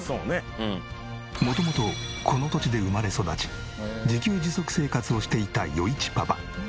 元々この土地で生まれ育ち自給自足生活をしていた余一パパ。